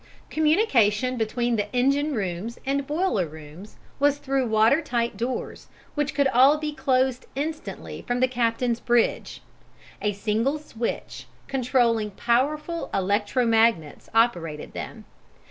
Communication between the engine rooms and boiler rooms was through watertight doors, which could all be closed instantly from the captain's bridge: a single switch, controlling powerful electro magnets, operated them.